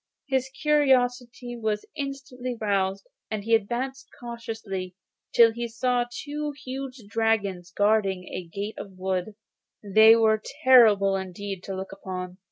His curiosity was instantly roused, and he advanced cautiously till he saw two huge dragons guarding the gate of a wood. They were terrible indeed to look upon.